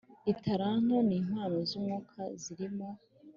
italanto n'impano z'umwuka zirimo